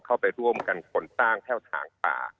เข้าไปร่วมกันผลตั้งแพ่วถังป่า